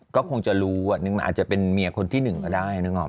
ก็คงจะรู้อ่ะนึกมาอาจจะเป็นเมียคนที่หนึ่งก็ได้นึกออกไหม